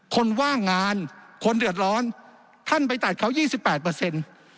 คนว่างงานคนเดือดร้อนท่านไปตัดเขายี่สิบแปดเปอร์เซ็นต์